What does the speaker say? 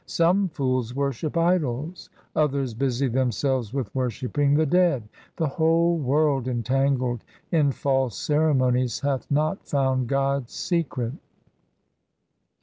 Some fools worship idols, others busy themselves with worshipping the dead. The whole world entangled in false ceremonies hath not found God's secret.